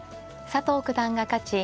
佐藤九段が勝ち